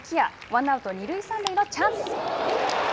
ワンアウト、二塁三塁のチャンス。